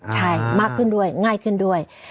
ใช่มากขึ้นด้วยง่ายขึ้นด้วย